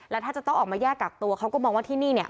แล้วถ้าจะต้องออกมาแยกกักตัวเขาก็มองว่าที่นี่เนี่ย